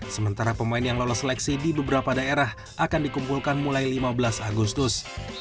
sementara pemain yang lolos seleksi di beberapa daerah akan dikumpulkan mulai lima belas agustus